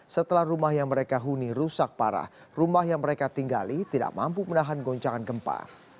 setelah rumah yang mereka huni rusak parah rumah yang mereka tinggali tidak mampu menahan goncangan gempa